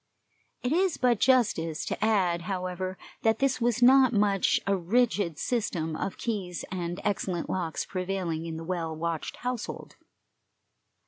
It is but justice to add, however, that this was not much, a rigid system of keys and excellent locks prevailing in the well watched household.